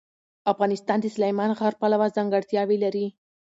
افغانستان د سلیمان غر پلوه ځانګړتیاوې لري.